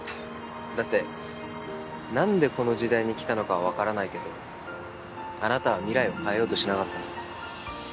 だってなんでこの時代に来たのかはわからないけどあなたは未来を変えようとしなかった。